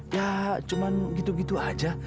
ya cuma gitu gitu aja